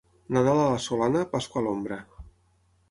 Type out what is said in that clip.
Nadal a la solana, Pasqua a l'ombra.